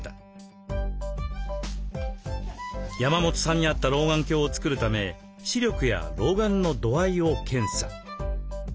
山本さんに合った老眼鏡を作るため視力や老眼の度合いを検査。